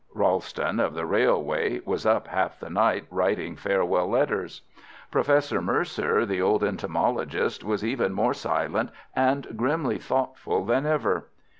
Ralston, of the railway, was up half the night writing farewell letters. Professor Mercer, the old entomologist, was even more silent and grimly thoughtful than ever.